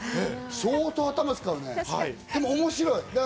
相当頭を使うね、でも面白い。